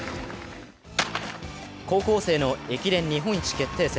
高校生の駅伝日本一決定戦。